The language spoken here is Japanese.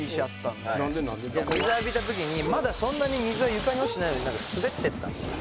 水浴びた時にまだそんなに水は床に落ちてないのに滑ってったんですよ